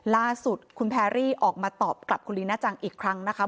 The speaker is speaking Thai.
ล่าสุดคุณแพรรี่ออกมาตอบกลับคุณลีน่าจังอีกครั้งนะคะ